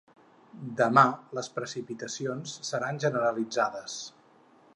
Demà les precipitacions seran generalitzades.